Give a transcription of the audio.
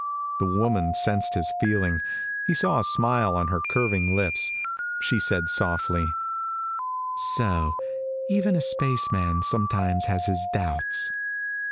The woman sensed his feeling. He saw a smile on her curving lips. She said softly, "So even a spaceman sometimes has his doubts."